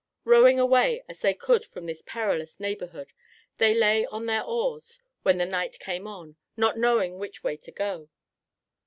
Rowing away as they could from this perilous neighborhood, they lay on their oars when the night came on, not knowing which way to go.